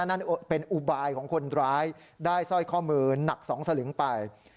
นั่นเป็นอุบายของคนร้ายได้สร้อยข้อมือหนัก๒สลึงไป